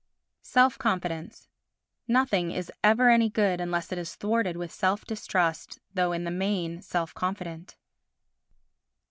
'" Self Confidence Nothing is ever any good unless it is thwarted with self distrust though in the main self confident.